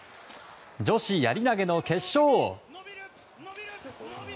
女子やり投げの決勝。